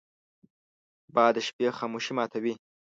باد د شپې خاموشي ماتوي